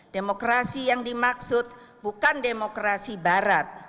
demokrasi yang dimaksud bukan demokrasi barat